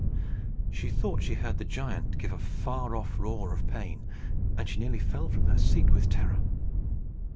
She thought she heard the giant give a far off roar of pain, and she nearly fell from her seat with terror.